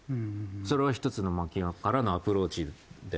それは１つの槙尾からのアプローチだよね